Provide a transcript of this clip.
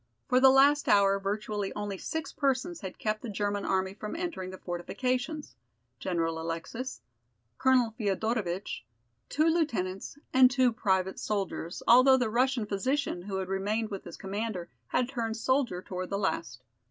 For the last hour virtually only six persons had kept the German army from entering the fortifications: General Alexis, Colonel Feodorovitch, two lieutenants and two private soldiers, although the Russian physician, who had remained with his commander, had turned soldier toward the last."